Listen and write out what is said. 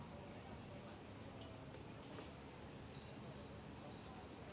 เมื่อเวลาเมื่อเวลาเมื่อเวลาเมื่อเวลา